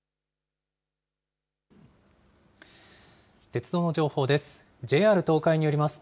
鉄道の情報です。